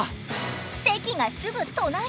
席がすぐ隣！